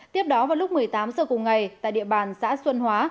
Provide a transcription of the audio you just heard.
tiếp đó vào lúc một mươi tám h cùng ngày tại địa bàn xã xuân hóa